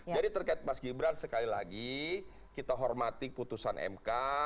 jadi terkait mas gibran sekali lagi kita hormati putusan mk